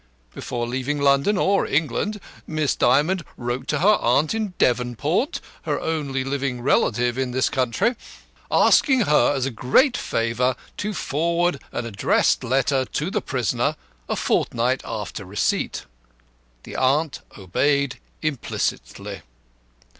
Before leaving London or England Miss Dymond wrote to her aunt in Devonport her only living relative in this country asking her as a great favour to forward an addressed letter to the prisoner, a fortnight after receipt. The aunt obeyed implicitly.